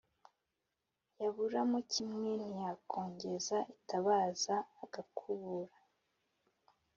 yaburamo kimwe ntiyakongeza itabaza agakubura